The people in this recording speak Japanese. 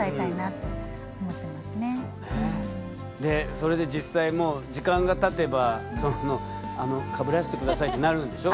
それで実際時間がたてばかぶらして下さいってなるんでしょ？